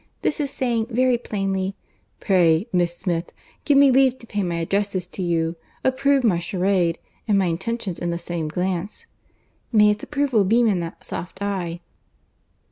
This is saying very plainly—'Pray, Miss Smith, give me leave to pay my addresses to you. Approve my charade and my intentions in the same glance.' May its approval beam in that soft eye!